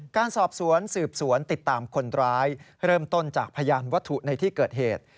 การสอบสวนสืบสวนติดตามคนร้ายเริ่มต้นจากพยานวัตถุในที่เกิดเหตุ